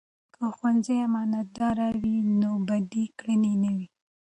که ښوونځي امانتدار وي، نو بدې کړنې نه وي.